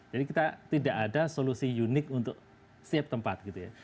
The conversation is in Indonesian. jadi kita tidak ada solusi unik untuk setiap tempat gitu ya